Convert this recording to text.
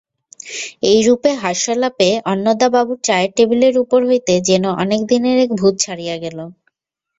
এইরূপে হাস্যলাপে অন্নদাবাবুর চায়ের টেবিলের উপর হইতে যেন অনেক দিনের এক ভূত ছাড়িয়া গেল।